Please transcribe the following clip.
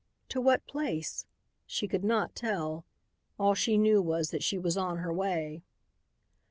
To what place? She could not tell. All she knew was that she was on her way.